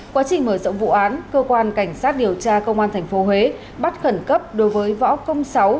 quá trình mở rộng vụ án cơ quan cảnh sát điều tra công an tp huế bắt khẩn cấp đối với võ công sáu